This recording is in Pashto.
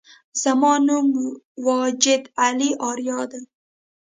زما نوم واجد علي آریا دی